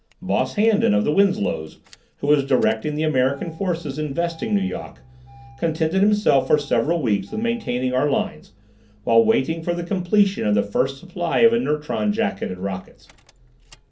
Boss Handan, of the Winslows, who was directing the American forces investing Nu Yok, contented himself for several weeks with maintaining our lines, while waiting for the completion of the first supply of inertron jacketed rockets.